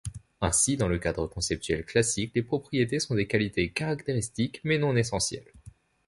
Ainsi, dans le cadre conceptuel classique, les propriétés sont des qualités caractéristiques mais non-essentielles.